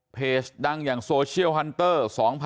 เพจดังอย่างโซเชียลฮันเตอร์๒๐๑๖